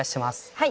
はい。